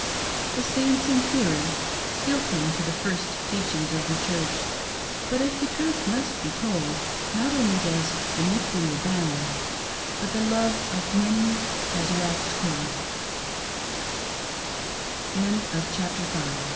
" The Saints, in theory, still cling to the first teachings of the Church ; but, if the truth must be told, not only does " iniquity abound," but " the love of many has waxed col